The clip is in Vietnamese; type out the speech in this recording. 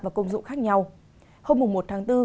và công dụng khác nhau hôm một tháng bốn